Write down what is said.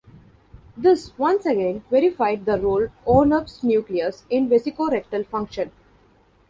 This, once again, verified the role Onuf's nucleus in vesicorectal function.